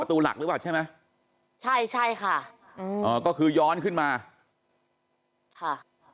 ตัวหลักหรือเปล่าใช่ไหมใช่ใช่ค่ะอืมอ่าก็คือย้อนขึ้นมาค่ะ